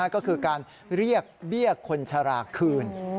ก็คือการเรียกเบี้ยคนชะลาคืน